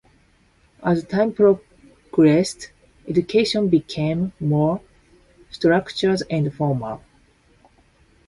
As time progressed, education became more structured and formal.